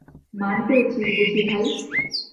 মান করেছিস বুঝি ভাই?